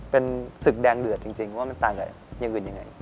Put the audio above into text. เป็นศึกแดงเดือดจริงว่ามันต่างกับอย่างอื่นยังไง